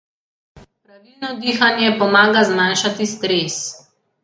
Pravilno dihanje pomaga zmanjšati stres.